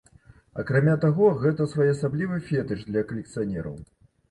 Акрамя таго гэта своеасаблівы фетыш для калекцыянераў.